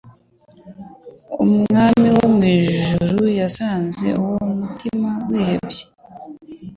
Umwami w'ijuru yasanze uwo mutima wihebye,